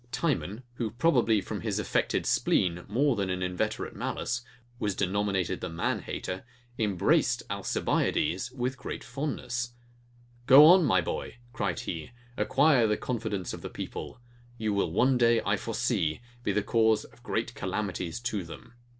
Timon, who probably from his affected spleen more than an inveterate malice, was denominated the manhater, embraced Alcibiades with great fondness. GO ON, MY BOY! cried he, ACQUIRE THE CONFIDENCE OF THE PEOPLE: YOU WILL ONE DAY, I FORESEE, BE THE CAUSE OF GREAT CALAMITIES TO THEM [Footnote: Plutarch fit vita Ale.].